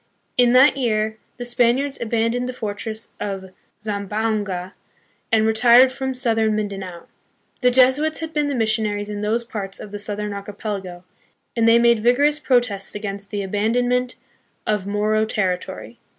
In that year the Spaniards aban doned the fortress of Zamboanga, and retired from south ern Mindanao. The Jesuits had been the missionaries in those parts of the southern archipelago, and they made vigorous protests against the abandonment of Moro terri tory.